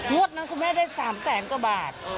นั้นคุณแม่ได้๓แสนกว่าบาท